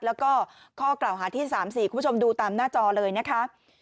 แล้วก็ข้อกล่าวหาที่๓๔คุณผู้ชมดูตามหน้าจอเลยนะคะ